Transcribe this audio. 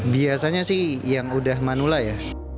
biasanya sih yang udah manula ya